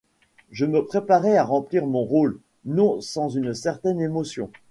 Je me préparai à remplir mon rôle, non sans une certaine émotion.